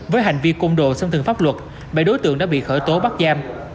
với hành vi côn đồ xâm thường pháp luật bảy đối tượng đã bị khởi tố bắt giam